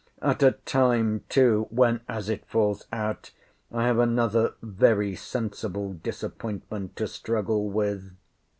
at a time too, when, as it falls out, I have another very sensible disappointment to struggle with?